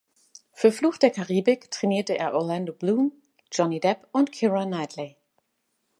Für "Fluch der Karibik" trainierte er Orlando Bloom, Johnny Depp und Keira Knightley.